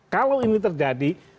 kalau ini terjadi